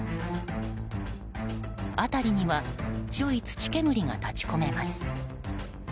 辺りには白い土煙が立ち込めます。